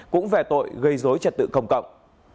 cũng về tội gây dối trật tự công cộng